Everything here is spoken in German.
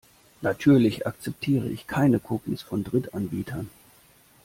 Natürlich akzeptiere ich keine Cookies von Drittanbietern.